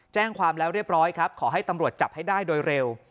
แจ้งความแล้วเรียบร้อยครับขอให้ตำรวจจับให้ได้โดยเร็ว